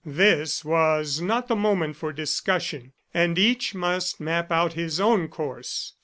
This was not the moment for discussion, and each must map out his own course.